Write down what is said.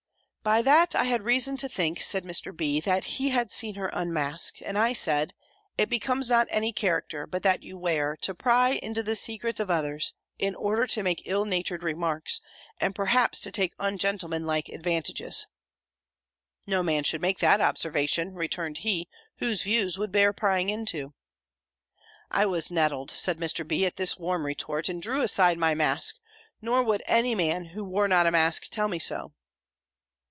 _ "By that I had reason to think," said Mr. B., "that he had seen her unmask; and I said, 'It becomes not any character, but that you wear, to pry into the secrets of others, in order to make ill natured remarks, and perhaps to take ungentlemanlike advantages.'" "No man should make that observation," returned he, "whose views would bear prying into." "I was nettled," said Mr. B., "at this warm retort, and drew aside my mask: 'Nor would any man, who wore not a mask, tell me so!'